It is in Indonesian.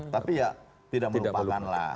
tapi ya tidak melupakan lah